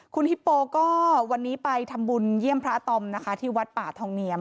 คุณฮิปโปก็วันนี้ไปทำบุญเยี่ยมพระตอมนะคะที่วัดป่าทองเนียม